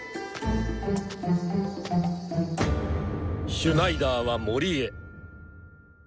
シュナイダーは森へ。